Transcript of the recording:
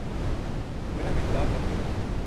مَنا بے طلاق لَبھ گئی